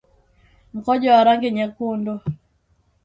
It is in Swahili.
Mkojo wa rangi nyekundu